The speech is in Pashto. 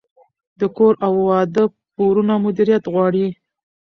د کور او واده پورونه مدیریت غواړي.